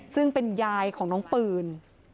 ซึ่งเป็นยายของน้องปืน